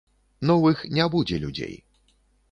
Новых не будзе людзей.